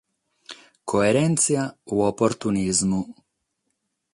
Coerèntzia o oportunismu?